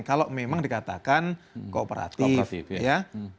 kalau memang dikatakan kooperatif ya